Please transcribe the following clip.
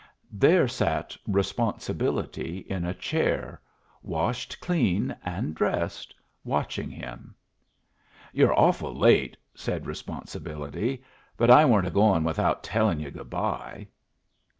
There sat Responsibility in a chair, washed clean and dressed, watching him. "You're awful late," said Responsibility. "But I weren't a going without telling you good bye."